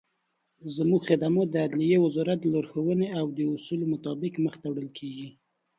زموږخدمات دعدلیي وزارت دلارښووني او داصولو مطابق مخته وړل کیږي.